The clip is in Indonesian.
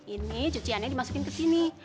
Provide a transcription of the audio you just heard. ini cuciannya dimasukin ke sini